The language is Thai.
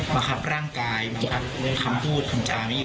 บังคับร่างกายบังคับคำพูดของเจ้านี้